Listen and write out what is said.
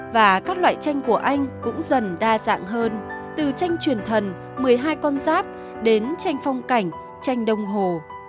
và các loại tranh của anh cũng dần đa dạng hơn từ tranh truyền thần một mươi hai con giáp đến tranh phong cảnh tranh đồng hồ